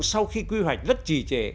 sau khi quy hoạch rất trì trẻ